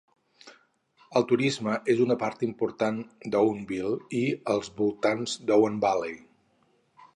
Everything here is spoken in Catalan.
El turisme és una part important d'Huonville i els voltants d'Huon Valley.